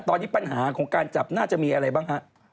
ตอนนี้ปัญหาของการจับน่าจะมีอะไรบ้างฮะ